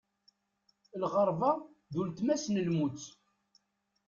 Lɣerba d uletma-s n lmut.